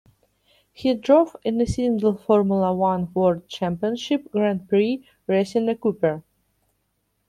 He drove in a single Formula One World Championship Grand Prix, racing a Cooper.